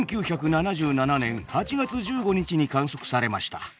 １９７７年８月１５日に観測されました。